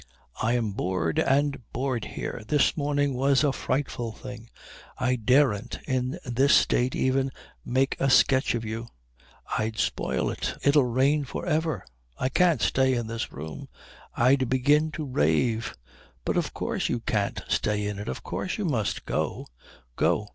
"I'm bored and bored here. This morning was a frightful thing. I daren't in this state even make a sketch of you. I'd spoil it. It'll rain for ever. I can't stay in this room. I'd begin to rave " "But of course you can't stay in it. Of course you must go." "Go!